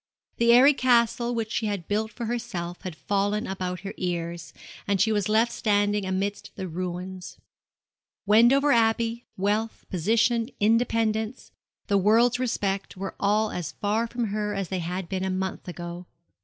The airy castle which she had built for herself had fallen about her ears, and she was left standing amidst the ruins. Wendover Abbey, wealth, position, independence, the world's respect, were all as far from her as they had been a month ago.